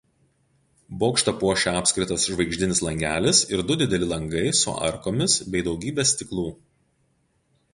Bokštą puošia apskritas žvaigždinis langelis ir du dideli langai su arkomis bei daugybe stiklų.